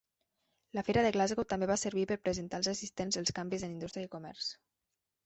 La Fira de Glasgow també va servir per presentar als assistents els canvis en indústria i comerç.